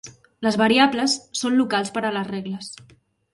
Les variables són locals per a les regles.